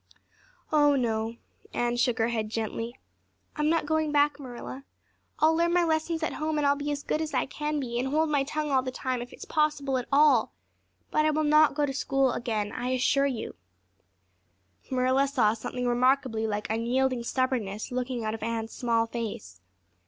"Oh, no." Anne shook her head gently. "I'm not going back, Marilla. I'll learn my lessons at home and I'll be as good as I can be and hold my tongue all the time if it's possible at all. But I will not go back to school, I assure you." Marilla saw something remarkably like unyielding stubbornness looking out of Anne's small face.